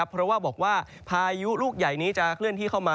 เพราะว่าบอกว่าพายุลูกใหญ่นี้จะเคลื่อนที่เข้ามา